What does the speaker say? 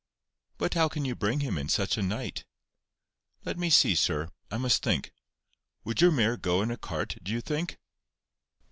"But how can you bring him in such a night?" "Let me see, sir. I must think. Would your mare go in a cart, do you think?"